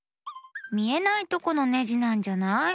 みえないとこのネジなんじゃない？